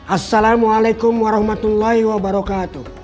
assalamualaikum warahmatullahi wabarakatuh